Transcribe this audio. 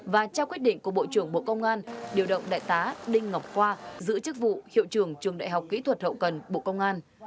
và trao quyết định của bộ trưởng bộ công an điều động đại tá đinh ngọc khoa giữ chức vụ hiệu trưởng trường đại học kỹ thuật hậu cần bộ công an